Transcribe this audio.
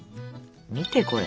見てこれ。